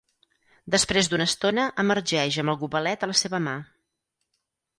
Després d'una estona emergeix amb el gobelet a la seva mà.